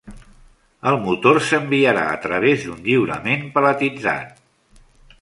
El motor s'enviarà a través d'un lliurament paletitzat.